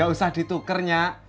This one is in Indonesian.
gak usah ditukernya